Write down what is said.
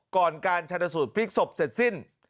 ก่อนการชัดสูตรพลิกศพเสร็จสิ้น